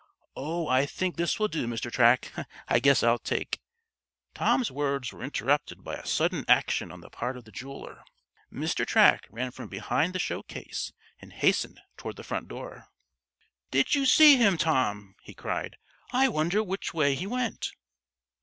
"Oh, I think this will do, Mr. Track. I guess I'll take " Tom's words were interrupted by a sudden action on the part of the jeweler. Mr. Track ran from behind the showcase and hastened toward the front door. "Did you see him, Tom?" he cried. "I wonder which way he went?"